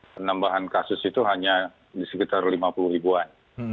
penambahan kasus itu hanya di sekitar lima puluh ribuan